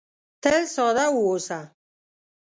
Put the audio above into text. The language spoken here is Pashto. تل ساده واوسه .